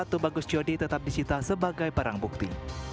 tugbagus jodi tetap disita sebagai barang bukti